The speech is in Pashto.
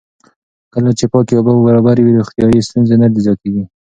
کله چې پاکې اوبه برابرې وي، روغتیایي ستونزې نه زیاتېږي.